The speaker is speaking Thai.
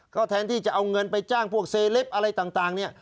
ก็แทนที่จะเอาเงินไปจ้างพวกเซเลปอะไรต่างเนี่ย